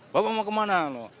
bapak mau ke mana